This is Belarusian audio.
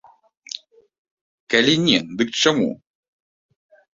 Калі не, дык чаму?